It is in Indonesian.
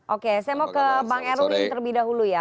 oke saya mau ke bang erwin terlebih dahulu ya